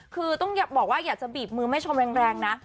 คือต้องบอกว่าอยากจะบีบมือแม่ชมแรงนะ